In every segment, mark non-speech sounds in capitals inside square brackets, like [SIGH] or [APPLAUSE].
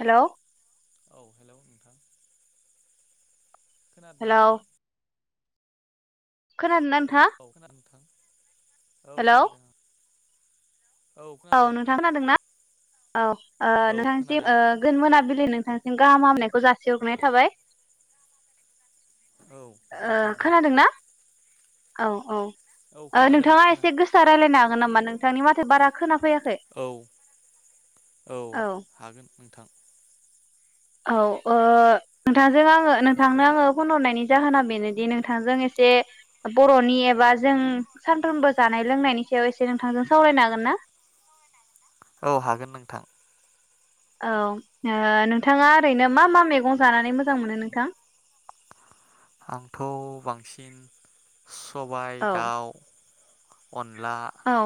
Hello औ hello नोंथां खोनादों ना हेलौ नोंथां? खोनादो ना नों [UNINTELLIGIBLE] औ हेलौ खोनादो। औ नोंथां खोनादों ना? औ ओ औ खोनादों आं नोंथांनिसिन [UNINTELLIGIBLE] बिलि नोंथांसिम गाहाम हामनायखौ जासिहरगोरनाय थाबाय। औ ओ गोजोन्थों नोंथां। खोनादोंना औ औ औ ओ खोनादों नोंथाङा खोना एसे गोसा रायजलायनो हा नामा नों नोंथांनि माथो बारा खोनाफैयाखै। औ औ हागोन। नोंथां औ ओ नोंथांजों आङो नोंथांनो आङो फन हरनायनि जाहोना बेनोदि नोंथांजों एसे बर'नि एबा जों सानफ्रोमबो जानाय लोंनायनि सायाव एसे नोंथांजों सावरायनो हागोन ना? औ हागोन नोंथां। औ ओ नोंथाङा ओरैनो मा मा मैगं जानानै मोजां मोनो नोंथां? आंथ बांसिन सबाय औ दाउ अनला औ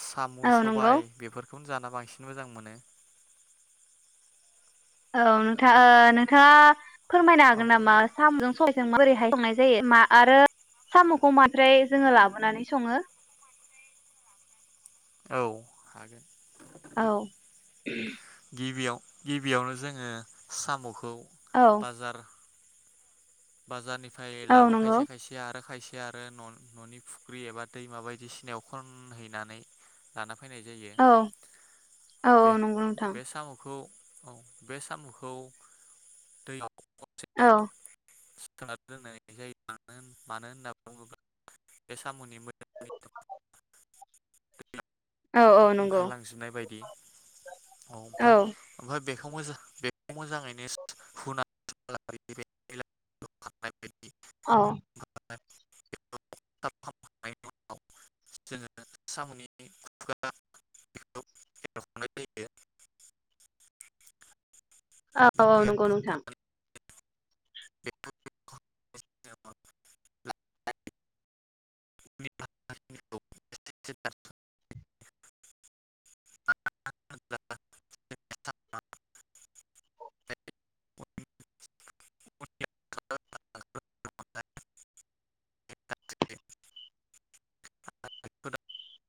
साम' औ नंगौ सबाय बेफोर बेखौनो जाना बांसिन मोजां मोनो। औ नोंथां ओ नोंथाङा फोरमायनो औ हागोन नामा साम'जों सबायजों बोरैहाय संनाय जायो आरो सामखौ माब्राय जोङो लाबोनानै सङो औ हागोन औ गिबियाव गिबियावनो जोङो सामखौ औ बाजार बाजारनि ओमफ्राय औ लाबो नंगौ खायसे खायसे आरो खायसे आरो ननि फुख्रि एबा दैमा बायदिसिनायाव खनहैनानै लाना फैनाय जायो औ औ औ नंगौ नोंथां बे सामखौ औ बे सामखौ दैयाव औ सिखोन दोननाय जायो म मानो होनना बुङोब्ला बे साम'नि मो [UNINTELLIGIBLE] औ औ नंगौ ओंखारलांजोबनाय बायदि औ ओमफ्राय ओमफ्राय बेखौ बेखौ मोजाङैनो हु [UNINTELLIGIBLE] अ [UNINTELLIGIBLE] जोङो सामनि खुगा बेखौ एरखनाय जायो औ बेखौ औ नंगौ नोंथां एरख'नानै [UNINTELLIGIBLE] [UNINTELLIGIBLE] [UNINTELLIGIBLE]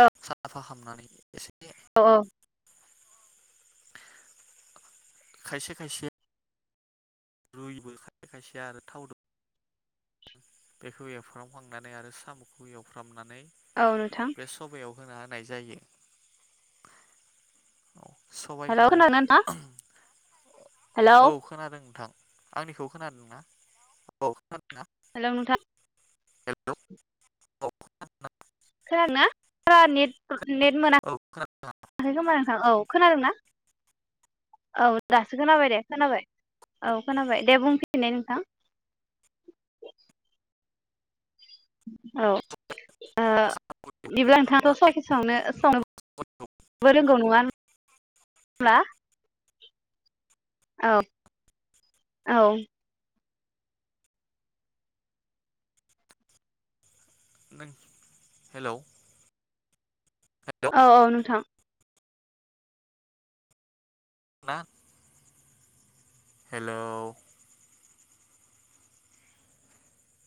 औ [INAUDIBLE] फाहाम नानै इसे औ औ खायसे खायसे रुयोबो खायसे खायसे आरो थाव दो बेखौ एवफ्रामखांनानै आरो साम'खौ एवफ्रामना नै औ नोंथां बे सबायाव होना होनाय जायो औ हेलौ सबाइआव खोनादोंना नोंथां हेलौ औ खोनादों नोंथां आंनिखौ खोनादोंना औ खोनादों हेलौ' नोंथां हेलौ [INAUDIBLE] [INAUDIBLE] नेट औ मोनाखाखै खोमा नोंथां औ खोनादोंना औ दासो खोनाबाय दे खोनाबाय औ खोनाबाय दे बुंफिनाय नोंथां औ ओ खोनादों बिदिब्ला नोंथाङाथ' साइकि सावनो सावनोबो रोंगौ नङा होनबा औ औ नों हेलौ हेलौ औ औ नोंथां ना हेलौ